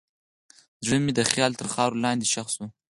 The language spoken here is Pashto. زړه مې د خیال تر خاورو لاندې ښخ شو.